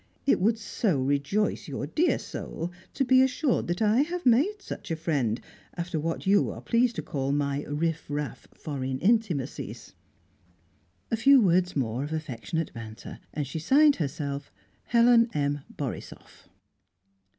It would so rejoice your dear soul to be assured that I have made such a friend, after what you are pleased to call my riff raff foreign intimacies." A few words more of affectionate banter, and she signed herself "Helen M. Borisoff."